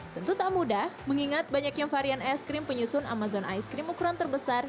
tentu tak mudah mengingat banyak yang varian aiskrim penyusun amazon ice cream ukuran terbesar